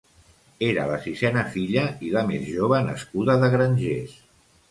Era la sisena filla i la més jove nascuda de grangers.